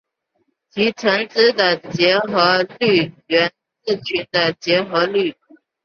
其乘积的结合律源自群的结合律。